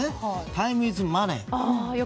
タイムイズマネー。